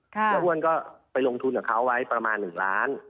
แล้วอ้วนก็ไปลงทุนกับเขาไว้ประมาณ๑ล้าน